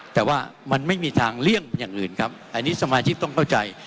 แต่ว่ามันไม่มีทางเลี่ยงอย่างอื่นครับอันนี้สมาชิกต้องเข้าใจ